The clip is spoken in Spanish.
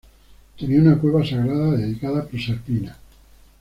Tenía una cueva sagrada dedicada a Proserpina.